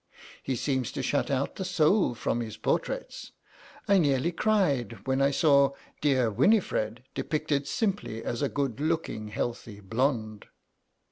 He seems to shut out the soul from his portraits. I nearly cried when I saw dear Winifred depicted simply as a good looking healthy blonde."